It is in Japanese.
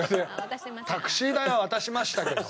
タクシー代は渡しましたけど。